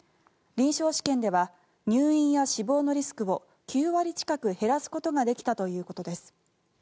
臨床試験では入院や死亡のリスクを９割近く減らすことができたということです。